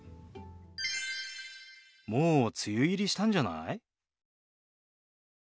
もう梅雨入りしたんじゃない？